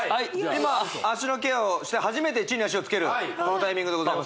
今足のケアをして初めて地に足をつけるこのタイミングでございます